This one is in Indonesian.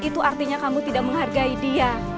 itu artinya kamu tidak menghargai dia